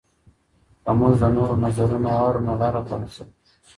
که موږ د نورو نظرونه واورو نو لاره پرانیستل کیږي.